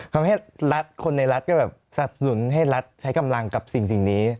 ทำให้รัฐคนในรัฐก็แบบสนับสนุนให้รัฐใช้กำลังกับสิ่งนี้